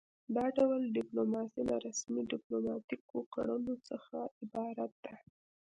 دا ډول ډیپلوماسي له رسمي ډیپلوماتیکو کړنو څخه عبارت ده